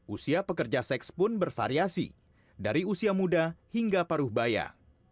usia pekerja seks pun bervariasi dari usia muda hingga paruh baya